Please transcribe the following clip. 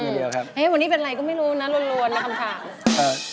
เอ๊ะวันนี้เป็นอะไรก็ไม่รู้นะลวนนะคำถาม